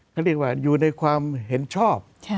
เขาเรียกว่าอยู่ในความเห็นชอบ